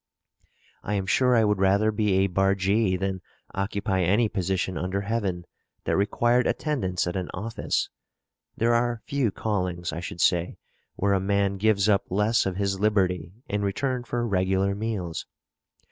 I am sure I would rather be a bargee than occupy any position under heaven that required attendance at an office. There are few callings, I should say, where a man gives up less of his liberty in return for regular meals.